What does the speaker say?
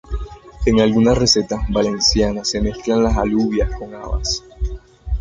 En algunas recetas valencianas se mezclan las alubias con habas.